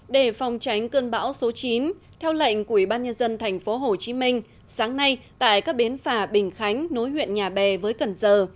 để phòng tránh cơn bão số chín theo lệnh của ủy ban nhân dân tp hcm sáng nay tại các bến phà bình khánh nối huyện nhà bè với cần giờ